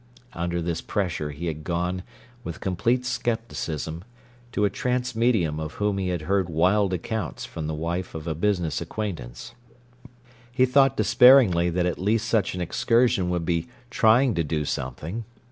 Under this pressure he had gone, with complete scepticism, to a "trance medium" of whom he had heard wild accounts from the wife of a business acquaintance. He thought despairingly that at least such an excursion would be "trying to do something!"